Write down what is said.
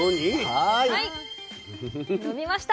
はい伸びました。